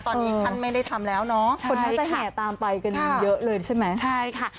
ตอนนี้ไม่ได้ทำแล้วควรให้ตามไปกันเยอะเลยใช่ไหม